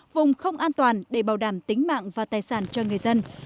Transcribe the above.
vùng không an toàn để bảo đảm tính mạng và tài sản cho người dân